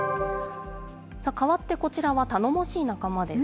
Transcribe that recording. かわってこちらは、頼もしい仲間です。